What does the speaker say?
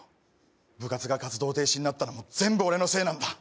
部活が活動停止になったのも、全部俺のせいなんだ。